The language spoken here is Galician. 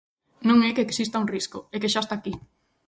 Non é que exista un risco, é que xa está aquí.